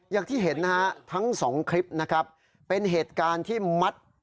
อย่างที่เห็นนะฮะทั้งสองคลิปนะครับเป็นเหตุการณ์ที่มัด